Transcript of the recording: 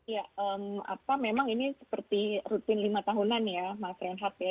ya apa memang ini seperti rutin lima tahunan ya mas renhardt ya